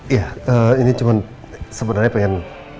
ya ini cuman sebenernya pengen